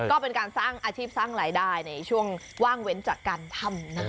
ก็เป็นการสร้างอาชีพสร้างรายได้ในช่วงว่างเว้นจากการทำนะ